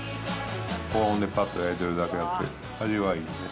高温でぱっと焼いてるだけあって味はいい。